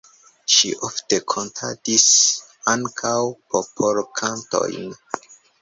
Ŝi ofte kantadis ankaŭ popolkantojn.